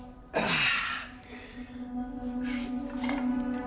ああ。